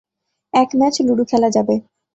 এক match ludo খেলা যাবে।